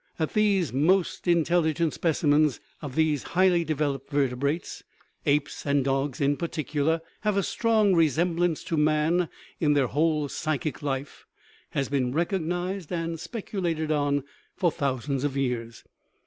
That these most intelligent specimens of these highly developed vertebrates apes and dogs, in particular have a strong resemblance to man in their whole psychic life has been recognized and speculated on for thou sands of years.